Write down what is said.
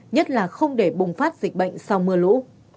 nhất là không để bùng phát dịch bệnh sau mưa lũ